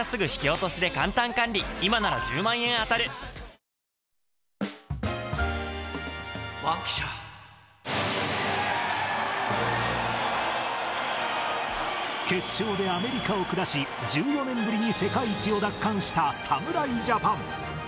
「カルピスＴＨＥＲＩＣＨ」決勝でアメリカを下し、１４年ぶりに世界一を奪還した侍ジャパン。